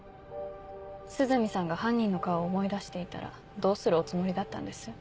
涼見さんが犯人の顔を思い出していたらどうするおつもりだったんです？